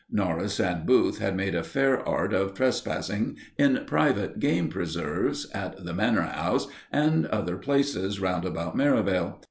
Norris and Booth had made a fair art of trespassing in private game preserves, at the Manor House and other such places round about Merivale.